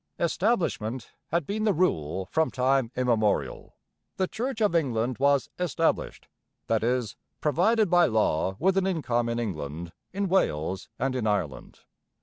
'Establishment' had been the rule from time immemorial. The Church of England was 'established,' that is, provided by law with an income in England, in Wales, and in Ireland.